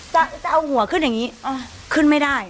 จะเอาหัวขึ้นอย่างนี้ขึ้นไม่ได้